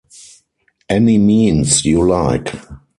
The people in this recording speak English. Any means you like.